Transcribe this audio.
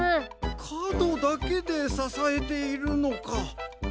かどだけでささえているのか。